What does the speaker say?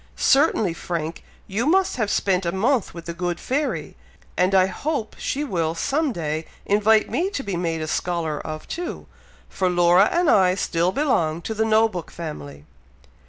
Certainly, Frank, you must have spent a month with the good fairy; and I hope she will some day invite me to be made a scholar of too, for Laura and I still belong to the No book family."